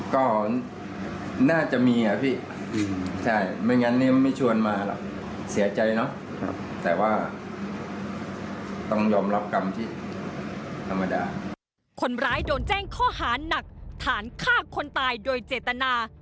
คนร้ายโดนแจ้งข้อหานักฐานฆ่าคนตายโดยเจตนา